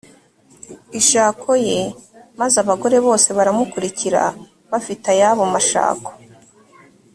ishako ye maze abagore bose baramukurikira bafite ayabo mashako